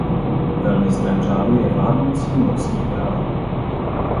Velmistrem řádu je vládnoucí norský král.